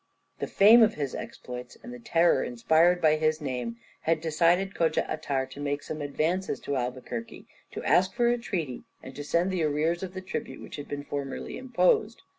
] The fame of his exploits and the terror inspired by his name had decided Kodja Atar to make some advances to Albuquerque, to ask for a treaty, and to send the arrears of the tribute which had been formerly imposed.